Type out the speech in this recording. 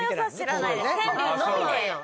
川柳のみで。